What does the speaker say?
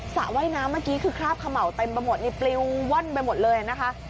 ระว่ายน้ำเมื่อกี้คือคราบเขม่าเต็มไปหมดนี่ปลิวว่อนไปหมดเลยนะคะ